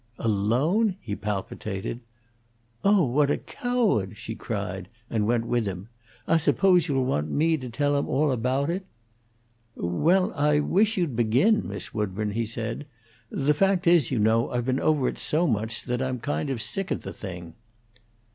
"Alone!" he palpitated. "Oh, what a cyowahd!" she cried, and went with him. "Ah suppose you'll want me to tell him aboat it." "Well, I wish you'd begin, Miss Woodburn," he said. "The fact is, you know, I've been over it so much I'm kind of sick of the thing."